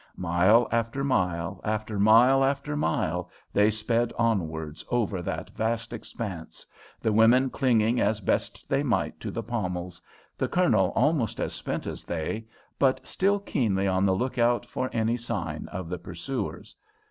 Mile after mile and mile after mile they sped onwards over that vast expanse, the women clinging as best they might to the pommels, the Colonel almost as spent as they, but still keenly on the lookout for any sign of the pursuers.